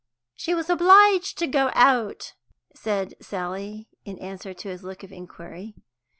"She was obliged to go out," said Sally, in answer to his look of inquiry.